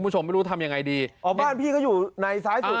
ทำยังไงดีอ๋อบ้านพี่ก็อยู่ในซ้ายสุดไหม